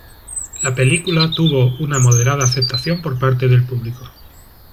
La película tuvo una moderada aceptación por parte del público.